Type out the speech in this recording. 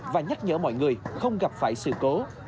và nhắc nhở mọi người không gặp phải sự cố